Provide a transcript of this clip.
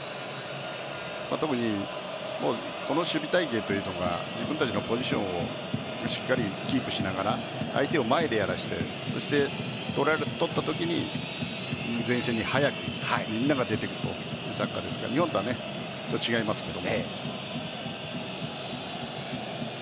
特にこの守備体形というのが自分たちのポジションをしっかりキープしながら相手を前でやらせて取ったときに前線に速くみんなが出てくるというサッカーですから日本とは違いますけど。